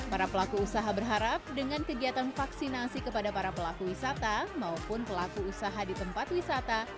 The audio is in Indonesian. para pelaku usaha berharap dengan kegiatan vaksinasi kepada para pelaku wisata maupun pelaku usaha di tempat wisata